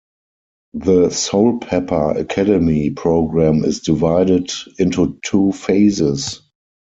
The Soulpepper Academy program is divided into two phases.